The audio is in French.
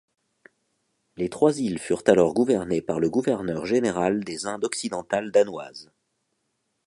Les trois îles furent alors gouvernées par le Gouverneur générales des Indes occidentales danoises.